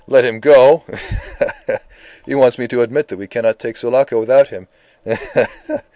"Let him go! Ha! ha! ha! He wants me to admit that we cannot take Sulaco without him! Ha! ha! ha!